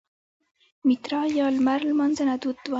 میترا یا لمر لمانځنه دود وه